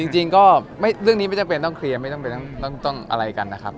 จริงก็เรื่องนี้ไม่จำเป็นต้องเคลียร์ไม่ต้องอะไรกันนะครับ